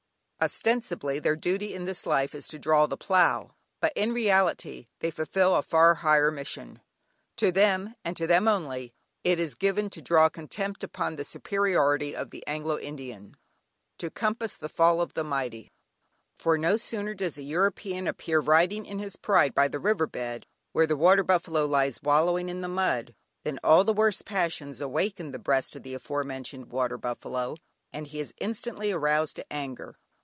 Ostensibly, their duty in this life is to draw the plough, but in reality they fulfil a far higher mission. To them, and to them only, it is given to draw contempt upon the superiority of the Anglo Indian: to compass the fall of the mighty. For no sooner does a European appear riding in his pride by the river bed, where the water buffalo lies wallowing in the mud, than all the worst passions awake in the breast of the afore mentioned water buffalo, and he is instantly aroused to anger.